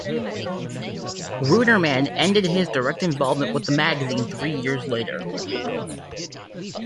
Ruderman ended his direct involvement with the magazine three years later.